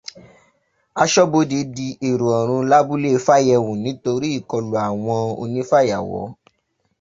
Aṣọ́bodè di èrò ọ̀rùn lábúlé Fáyẹhùn nítorí ìkọlù àwọn onífàyàwọ́